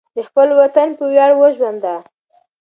د خپل وطن په ویاړ وژونده.